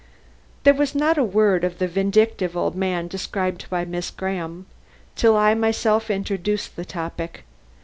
There was not a word of the vindictive old man described by Miss Graham, till I myself introduced the topic.